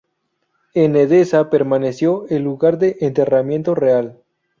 En Edesa permaneció el lugar de enterramiento real.